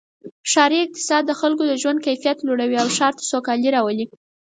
ښاري اقتصاد د خلکو د ژوند کیفیت لوړوي او ښار ته سوکالي راولي.